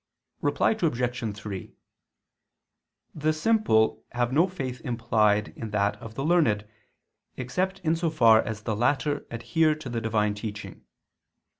Reply Obj. 3: The simple have no faith implied in that of the learned, except in so far as the latter adhere to the Divine teaching.